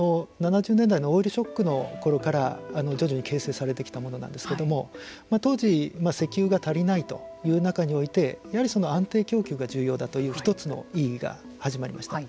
７０年代のオイルショックのころから徐々に形成されてきたものなんですけれども当時石油が足りないという中においてやはり安定供給が重要だという１つのＥが始まりました。